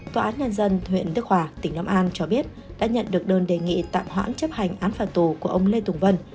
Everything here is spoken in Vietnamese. tòa án nhân dân huyện đức hòa tỉnh long an cho biết đã nhận được đơn đề nghị tạm hoãn chấp hành án phạt tù của ông lê tùng vân